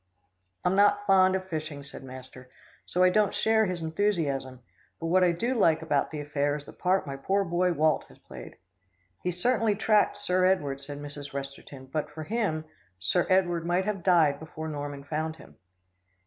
"I'm not fond of fishing," said master, "so I don't share his enthusiasm, but what I do like about the affair is the part my poor boy Walt has played." "He certainly tracked Sir Edward," said Mrs. Resterton, "but for him, Sir Edward might have died before Norman found him."